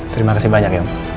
terima kasih banyak young